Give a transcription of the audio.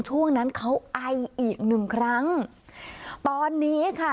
ช่วงนั้นเขาไออีกหนึ่งครั้งตอนนี้ค่ะ